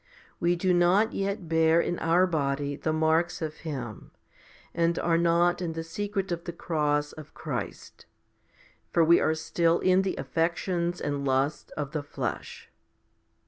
18 We do not yet bear in our body the marks of Him, 19 and are not in the secret of the cross of Christ, for we are still in the affections and lusts of the flesh.